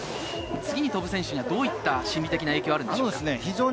次に飛ぶ選手にはどういった心理的な影響があるでしょうか。